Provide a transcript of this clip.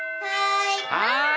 はい！